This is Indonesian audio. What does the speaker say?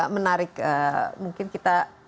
menarik mungkin kita